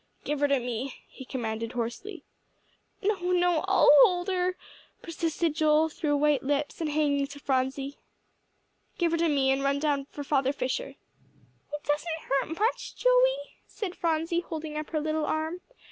"Give her to me," he commanded hoarsely. "No, no I'll hold her," persisted Joel, through white lips, and hanging to Phronsie. "Give her to me, and run down for Father Fisher." "It doesn't hurt much, Joey," said Phronsie, holding up her little arm.